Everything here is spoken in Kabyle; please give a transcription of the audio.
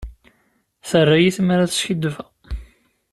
Terra-yi tmara ad skiddbeɣ.